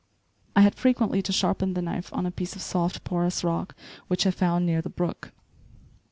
I had frequently to sharpen the knife on a piece of soft, porous rock which I found near the brook.